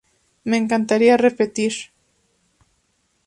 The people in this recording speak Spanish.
Me encantaría repetir.